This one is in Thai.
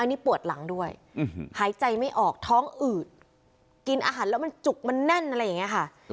อันนี้ปวดหลังด้วยหายใจไม่ออกท้องอืดกินอาหารแล้วมันจุกมันแน่นอะไรอย่างนี้ค่ะ